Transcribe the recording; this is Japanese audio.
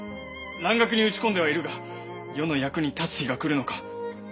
蘭学に打ち込んではいるが世の役に立つ日が来るのか